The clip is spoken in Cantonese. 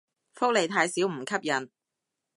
福利太少唔吸引